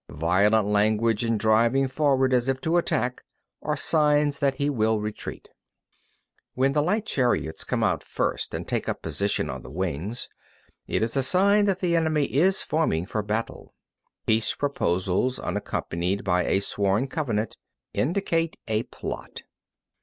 Violent language and driving forward as if to the attack are signs that he will retreat. 25. When the light chariots come out first and take up a position on the wings, it is a sign that the enemy is forming for battle. 26. Peace proposals unaccompanied by a sworn covenant indicate a plot.